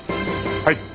はい。